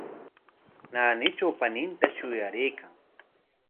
Naanitraw paninta shuyaraykan.